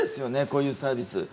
こういうサービス。